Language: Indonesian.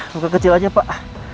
buka kecil aja pak